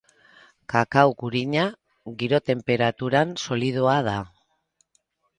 Kakao gurina giro-tenperaturan solidoa da.